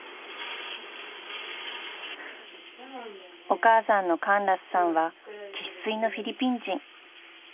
［お母さんのカンラスさんは生粋のフィリピン人］